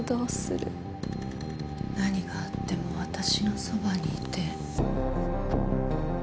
何があっても私のそばにいて。